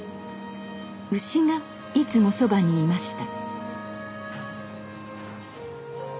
牛がいつもそばにいました。